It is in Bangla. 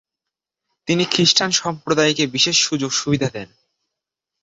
তিনি খ্রিস্টান সম্প্রদায়কে বিশেষ সুযোগ সুবিধা দেন।